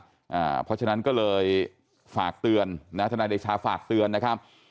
เพราะฉะนั้นก็เลยฝากเตือนนะทนายเดชาฝากเตือนนะครับ